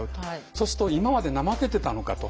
そうすると今まで怠けてたのかと。